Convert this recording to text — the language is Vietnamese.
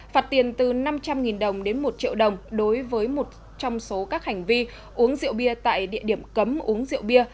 phạt tiền từ năm trăm linh đồng đến một triệu đồng đối với một trong số các hành vi uống rượu bia tại địa điểm cấm uống rượu bia